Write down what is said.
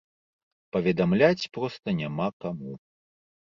Паведамляць проста няма каму.